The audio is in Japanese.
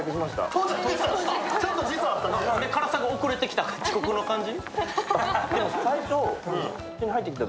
辛さが遅れてきた感じ？